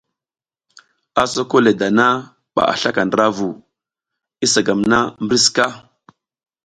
A soko le dan aba a slaka ndra vu, isa gam na mbri sika?